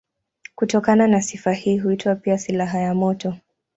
Kutokana na sifa hii huitwa pia silaha ya moto.